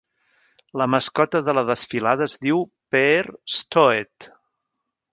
La mascota de la desfilada es diu Peer Stoet.